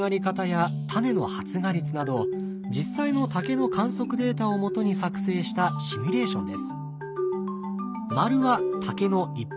実際の竹の観測データをもとに作成したシミュレーションです。